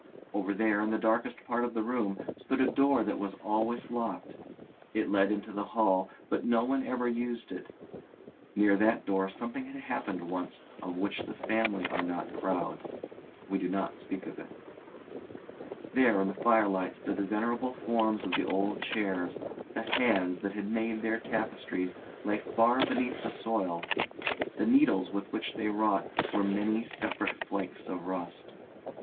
Over there, in the darkest part of the room, stood a door that was always locked. It led into the hall, but no one ever used it; near that door something had happened once of which the family are not proud. We do not speak of it. There in the firelight stood the venerable forms of the old chairs; the hands that had made their tapestries lay far beneath the soil, the needles with which they wrought were many separate flakes of rust.